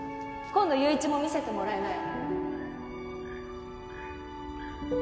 今度友一も見せてもらいなよ。